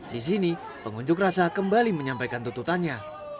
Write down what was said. di sini pengunjuk rasa kembali menyampaikan tututannya